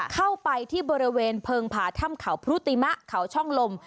เข้าไปที่บริเวณเพิงผ่าถ้ำเขาพรุติมะเขาช่องลม